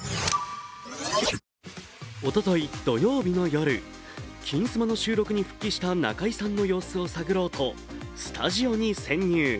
おととい土曜日の夜、「金スマ」の収録に復帰した中居さんの様子を探ろうとスタジオに潜入。